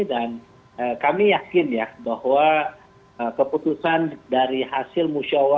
dan kami yakin ya bahwa keputusan dari hasil musyawar